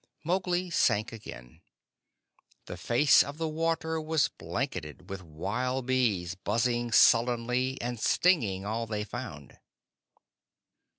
Mowgli sank again. The face of the water was blanketed with wild bees, buzzing sullenly and stinging all they found.